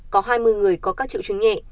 có hai mươi người có các triệu chứng nhẹ